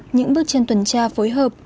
những bước trên tuần tra phối hợp